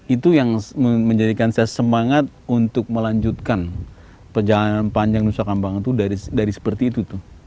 itu yang menjadikan saya semangat untuk melanjutkan perjalanan panjang nusa kambangan itu dari seperti itu tuh